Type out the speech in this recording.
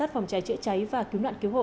phòng cháy chữa cháy và cứu nạn cứu hộ